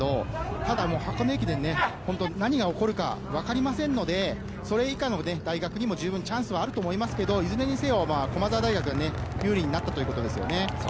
ただ箱根駅伝、何が起こるかわかりませんので、それ以下の大学にも十分チャンスはあると思いますが、駒澤大学が有利になったということですね。